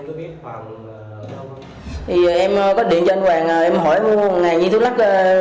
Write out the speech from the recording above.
em có đến cho anh hoàng em hỏi mua một viên thuốc lắc